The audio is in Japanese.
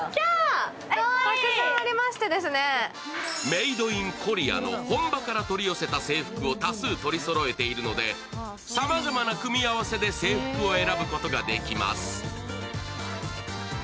メイド・イン・コリアの本場から取り寄せた制服を多数取りそろえているので、さまざまな組み合わせで制服を選ぶことができます。